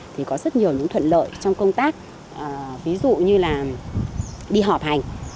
thì có rất nhiều những thuận lợi trong công tác ví dụ như là đi họp hành